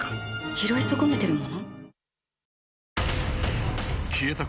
拾い損ねてるもの？